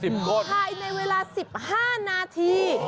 ๑๐ก้อนใช้ในเวลา๑๕นาที